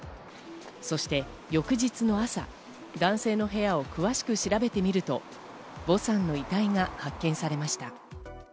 そして翌日の朝、男性の部屋を詳しく調べてみると、ヴォさんの遺体が発見されました。